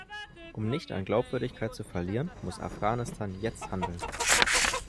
Um nicht an Glaubwürdigkeit zu verlieren, muss Afghanistan jetzt handeln.